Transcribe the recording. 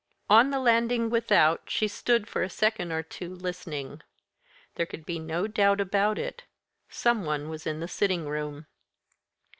On the landing without she stood, for a second or two, listening. There could be no doubt about it some one was in the sitting room.